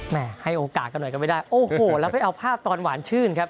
ให้โอกาสกันหน่อยก็ไม่ได้โอ้โหแล้วไปเอาภาพตอนหวานชื่นครับ